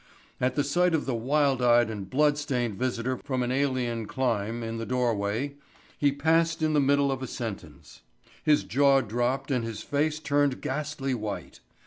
At the sight of the wild eyed and blood stained visitor from an alien clime in the doorway, he passed in the middle of a sentence. His jaw dropped and his face turned ghastly white.